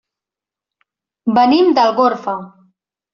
Venim d'Algorfa.